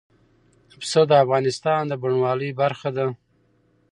پسه د افغانستان د بڼوالۍ برخه ده.